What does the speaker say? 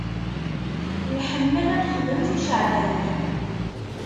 Nḥemmel ad nexdem ticeɛbanin.